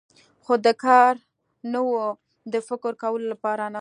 خو د کار نه و، د فکر کولو لپاره نه.